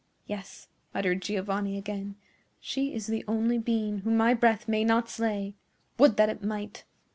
"Yes," muttered Giovanni again. "She is the only being whom my breath may not slay! Would that it might!"